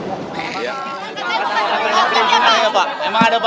ini yang harus dikira